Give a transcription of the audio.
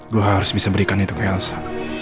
gue harus bisa berikan itu ke elsa